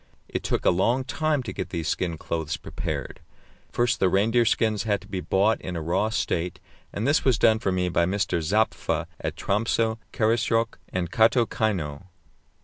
It took a long time to get these skin clothes prepared. First the reindeer skins had to be bought in a raw state, and this was done for me by Mr. Zappfe at Tromsö, Karasjok, and Kaatokeino.